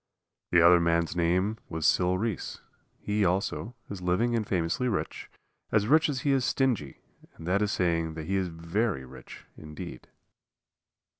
The other man's name was Sil Reese. He, also, is living and famously rich as rich as he is stingy, and that is saying that he is very rich indeed.